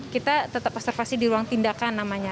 kita tetap observasi di ruang tindakan namanya